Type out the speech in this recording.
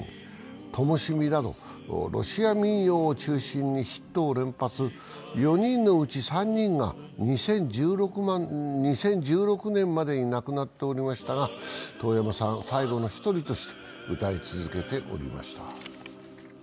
「ともしび」などロシア民謡を中心にヒットを連発、４人のうち３人が２０１６年までに亡くなっておりましたが、遠山さん、最後の一人として歌い続けておりました。